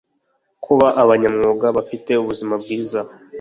kuba abanyamwuga bafite ubuzima bwiza